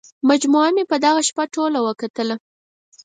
مجموعه مې په دغه شپه ټوله وکتله.